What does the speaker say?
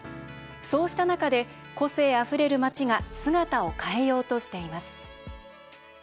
そうした中で、個性あふれる街が姿を変えようとしています。